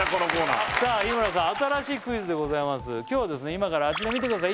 今からあちら見てください